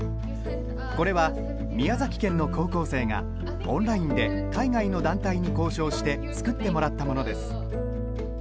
これは、宮崎県の高校生がオンラインで海外の団体に交渉して作ってもらったものです。